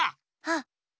あっ！